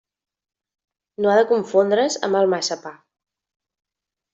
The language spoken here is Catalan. No ha de confondre's amb el massapà.